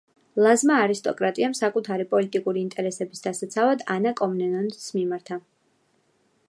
ლაზმა არისტოკრატიამ საკუთარი პოლიტიკური ინტერესების დასაცავად ანა კომნენოს მიმართა.